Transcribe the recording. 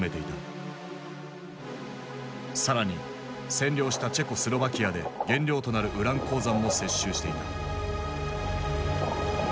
更に占領したチェコスロバキアで原料となるウラン鉱山も接収していた。